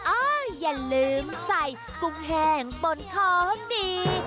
อ้าวอย่าลืมใส่กุ้งแหงบนของดี